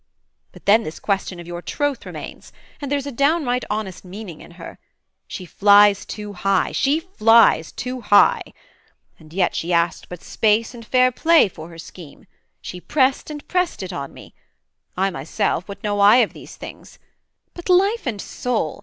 but then this question of your troth remains: And there's a downright honest meaning in her; She flies too high, she flies too high! and yet She asked but space and fairplay for her scheme; She prest and prest it on me I myself, What know I of these things? but, life and soul!